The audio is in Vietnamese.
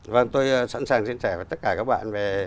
vâng tôi sẵn sàng chia sẻ với tất cả các bạn về